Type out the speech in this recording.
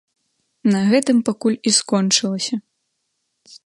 На гэтым пакуль і скончылася.